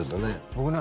僕ね